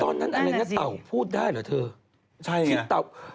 ตอนนั้นอะไรง่ะเต่าพูดได้เหรอเถอะที่เต่าใช่ไง